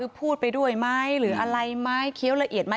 พูดไปด้วยไหมหรืออะไรไหมเคี้ยวละเอียดไหม